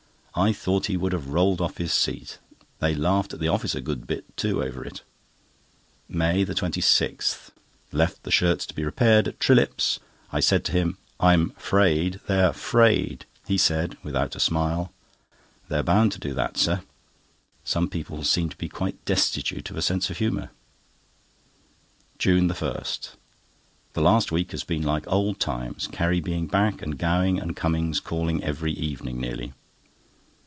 I thought he would have rolled off his seat. They laughed at the office a good bit too over it. MAY 26.—Left the shirts to be repaired at Trillip's. I said to him: "I'm 'fraid they are frayed." He said, without a smile: "They're bound to do that, sir." Some people seem to be quite destitute of a sense of humour. JUNE 1.—The last week has been like old times, Carrie being back, and Gowing and Cummings calling every evening nearly.